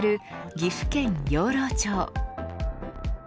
岐阜県養老町。